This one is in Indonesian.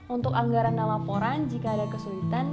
untuk anggaran dan laporan jika ada kesulitan